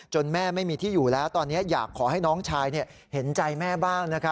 แม่ไม่มีที่อยู่แล้วตอนนี้อยากขอให้น้องชายเห็นใจแม่บ้าง